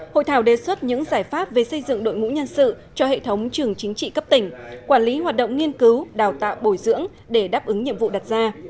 hội thảo đề xuất những giải pháp về xây dựng đội ngũ nhân sự cho hệ thống trường chính trị cấp tỉnh quản lý hoạt động nghiên cứu đào tạo bồi dưỡng để đáp ứng nhiệm vụ đặt ra